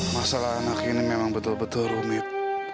masalah anak ini memang betul betul rumit